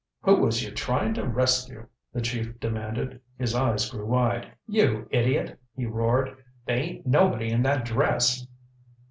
"Who was you trying to rescue?" the chief demanded. His eyes grew wide. "You idiot," he roared, "they ain't nobody in that dress."